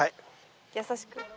優しく。